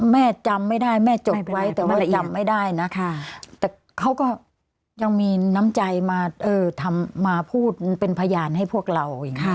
แม่จำไม่ได้แม่จบไว้แต่ว่าจำไม่ได้นะแต่เขาก็ยังมีน้ำใจมาพูดเป็นพยานให้พวกเราอย่างนี้